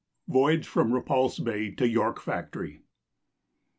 Voyage from Repulse Bay to York Factory.